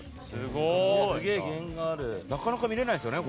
なかなか見れないですよね。